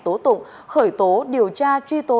tố tụng khởi tố điều tra truy tố